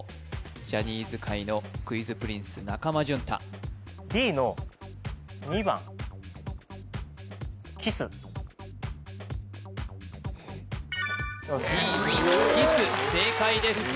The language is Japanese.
ジャニーズ界のクイズプリンス中間淳太Ｄの２番Ｄ２きす正解です